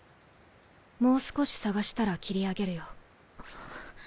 もう少し探したら切り上げるよ。